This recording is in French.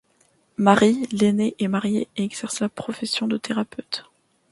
Mary, l'aînée, est mariée et exerce la profession de thérapeute.